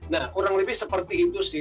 nah kurang lebih seperti itu sih